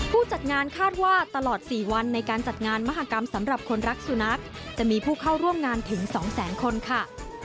ผู้จัดงานคาดว่าตลอด๔วันในการจัดงานมหากรรมสำหรับคนรักสุนัขจะมีผู้เข้าร่วมงานถึง๒แสนคนค่ะ